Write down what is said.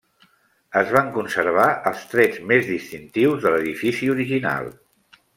Es van conservar els trets més distintius de l'edifici original.